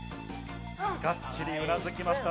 がっちりうなずきました。